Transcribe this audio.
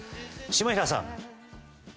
下平さん。